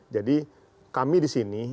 jadi kami disini